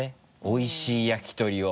おいしい焼き鳥を。